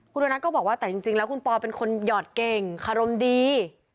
คุณโดนัทก็บอกว่าแต่จริงแล้วคุณปอเป็นคนหยอดเก่งคารมดี